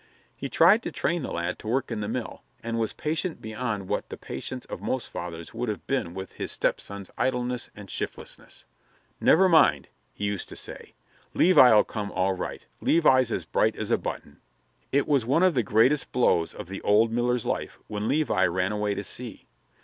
He tried to train the lad to work in the mill, and was patient beyond what the patience of most fathers would have been with his stepson's idleness and shiftlessness. "Never mind," he was used to say. "Levi 'll come all right. Levi's as bright as a button." It was one of the greatest blows of the old miller's life when Levi ran away to sea.